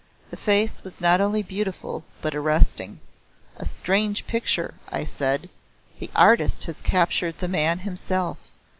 The face was not only beautiful but arresting. "A strange picture," I said. "The artist has captured the man himself.